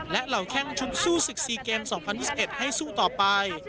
และเหล่าแข้งชุดสู้ศึก๔เกม๒๐๒๑ให้สู้ต่อไป